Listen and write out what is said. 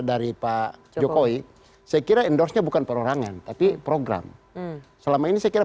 dari pak jokowi saya kira endorse nya bukan perorangan tapi program selama ini saya kira